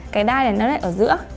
cái đai này nó lại ở giữa